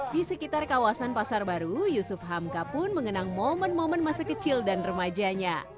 di sekitar kawasan pasar baru yusuf hamka pun mengenang momen momen masa kecil dan remajanya